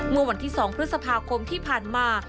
เมื่อวันที่๒พฤษภาคมที่ผ่านมา